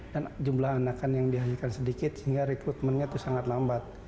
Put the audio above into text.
dan jumlah anakan yang dihanyakan sedikit sehingga rekrutmennya itu sangat lambat